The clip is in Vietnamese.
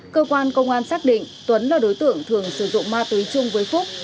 cơ quan công an xác định tuấn là đối tượng thường sử dụng ma túy chung với phúc